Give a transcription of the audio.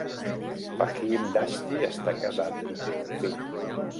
Faheem Dashty està casat i té un fill.